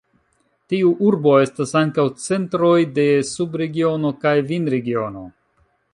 Tiu urbo estas ankaŭ centroj de subregiono kaj vinregiono.